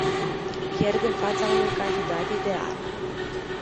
Pierd în fața unui candidat ideal.